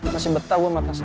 masih betah gue sama tas lo